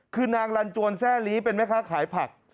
คือนางลันจวนแซ่ลีเป็นแม่ค้าขายผัก